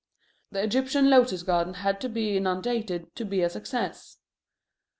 The Egyptian lotus garden had to be inundated to be a success.